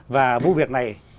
và vụ việc này